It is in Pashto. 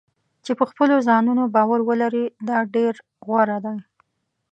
چې په خپلو ځانونو باور ولري دا ډېر غوره دی.